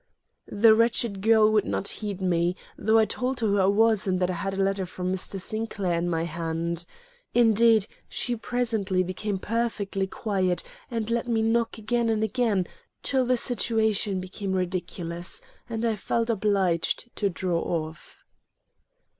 The wretched girl would not heed me, though I told her who I was and that I had a letter from Mr. Sinclair in my hand. Indeed, she presently became perfectly quiet and let me knock again and again, till the situation became ridiculous and I felt obliged to draw off.